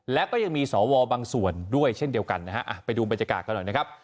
และก็ยังมีสวบางส่วนด้วยเช่นเดียวกันนะฮะไปดูบรรยากาศกันหน่อยนะครับ